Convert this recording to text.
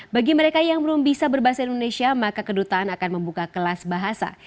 bagi mereka yang belum bisa berbahasa indonesia maka kedutaan akan membuka kelas bahasa